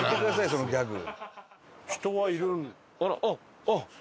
そのギャグ。